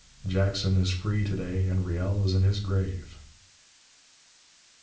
'Jackson is free to day, and Riel is in his grave.'